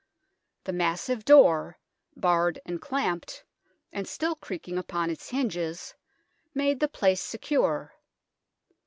The massive door, barred and clamped, and still creaking upon its hinges, made the place secure.